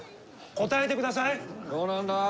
答えてください。